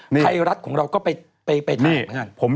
ใครรัฐของเราก็ไปถาม